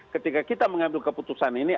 ketika kita mengambil keputusan ini